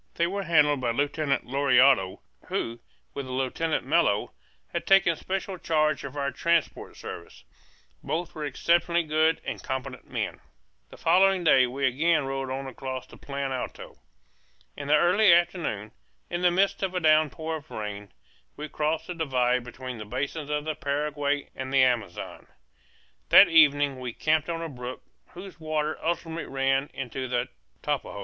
They were handled by Lieutenant Lauriado, who, with Lieutenant Mello, had taken special charge of our transport service; both were exceptionally good and competent men. The following day we again rode on across the Plan Alto. In the early afternoon, in the midst of a downpour of rain, we crossed the divide between the basins of the Paraguay and the Amazon. That evening we camped on a brook whose waters ultimately ran into the Tapajos.